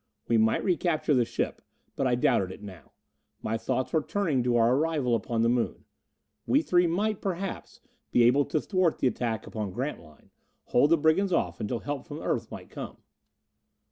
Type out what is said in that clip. We might recapture the ship, but I doubted it now. My thoughts were turning to our arrival upon the Moon. We three might, perhaps, be able to thwart the attack upon Grantline, hold the brigands off until help from the Earth might come.